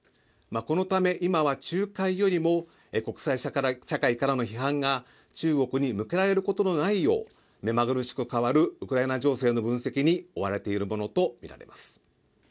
このため今は仲介よりも国際社会からの批判が中国に向けられることのないようめまぐるしく変わるウクライナ情勢の分析に追われているものとみられます。